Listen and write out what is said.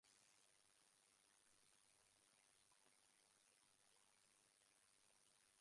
It was written by Russell and Melvyn Bragg for the "Monitor" series.